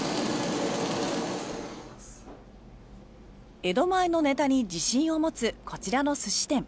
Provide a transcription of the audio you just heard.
江戸前のネタに自信を持つこちらの寿司店。